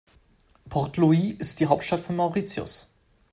Port Louis ist die Hauptstadt von Mauritius.